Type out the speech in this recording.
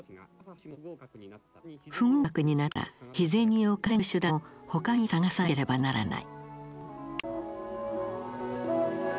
不合格になったら日銭を稼ぐ手段をほかに探さなければならない。